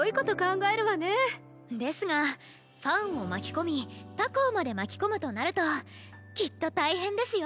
ですがファンを巻き込み他校まで巻き込むとなるときっと大変ですよ？